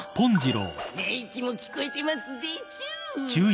寝息も聞こえてますぜチュー。